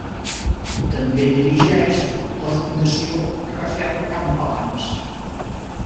També dirigeix la Fundació Rafael Campalans.